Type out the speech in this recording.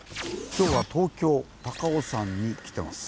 今日は東京・高尾山に来てます。